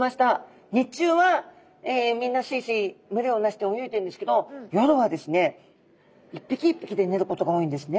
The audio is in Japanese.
日中はみんなスイスイ群れを成して泳いでるんですけど夜はですね一匹一匹で寝ることが多いんですね。